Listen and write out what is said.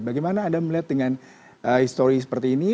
bagaimana anda melihat dengan histori seperti ini